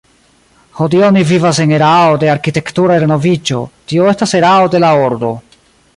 Hodiaŭ ni vivas en erao de arkitektura renoviĝo, tio estas erao de la ordo.